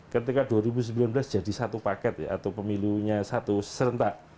ketika dua ribu sembilan belas jadi satu paket atau pemilunya satu serentak